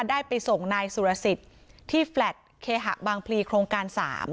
ได้ไปส่งนายสุรสิทธิ์ที่แฟลตเคหะบางพลีโครงการ๓